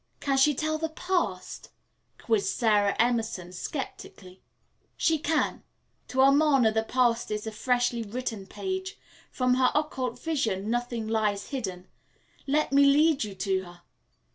"Can she tell the past?" quizzed Sara Emerson skeptically. "She can. To Amarna the past is a freshly written page. From her occult vision nothing lies hidden. Let me lead you to her."